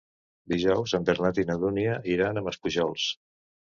Dijous en Bernat i na Dúnia iran a Maspujols.